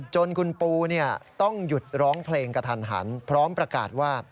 จนคุณปูต้องหยุดร้องเพลงกระทันหันพร้อมประกาศว่า